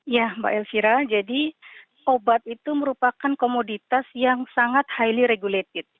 ya mbak elvira jadi obat itu merupakan komoditas yang sangat highly regulated